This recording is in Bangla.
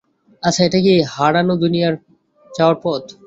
আচ্ছা, এটা কি হারানো দুনিয়ায় যাওয়ার পথ?